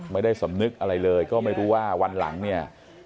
ไม่ได้สำนึกอะไรเลยก็ไม่รู้ว่าวันหลังเนี่ย